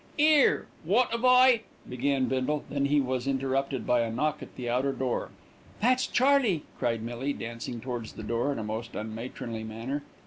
"'Ere, wot 'ave I ?" began Bindle, when he was interrupted by a knock at the outer door. "That's Charley," cried Millie, dancing towards the door in a most unmatronly manner.